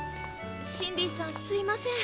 シンディさんすいません。